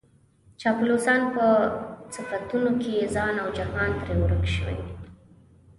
د چاپلوسانو په صفتونو کې ځان او جهان ترې ورک شوی.